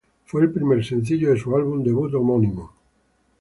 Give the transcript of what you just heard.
Fue el primer sencillo de su álbum debut homónimo.